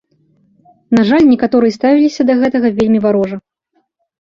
На жаль, некаторыя ставіліся да гэтага вельмі варожа.